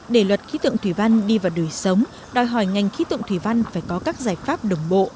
để luật khí tượng thủy văn đi vào đời sống đòi hỏi ngành khí tượng thủy văn phải có các giải pháp đồng bộ